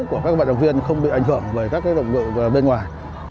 của các bạn đồng viên không bị ảnh hưởng bởi các động vụ bên ngoài